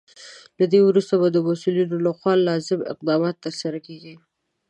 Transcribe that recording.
له دې وروسته به د مسولینو لخوا لازم اقدامات ترسره کیږي.